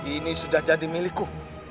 ini sudah jadi milikku